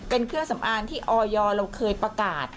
เป็นเครื่องสำอางที่ออยเราเคยประกาศ